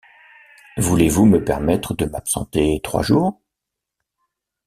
Voulez-vous me permettre de m’absenter trois jours ?